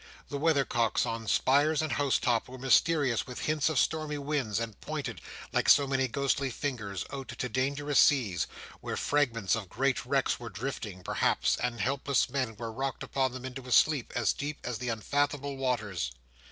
The weathercocks on spires and housetops were mysterious with hints of stormy wind, and pointed, like so many ghostly fingers, out to dangerous seas, where fragments of great wrecks were drifting, perhaps, and helpless men were rocked upon them into a sleep as deep as the unfathomable waters.